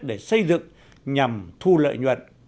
để xây dựng nhằm thu lợi nhuận